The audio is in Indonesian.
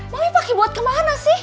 mami pake buat kemana sih